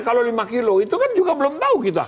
kalau lima kilo itu kan juga belum tahu kita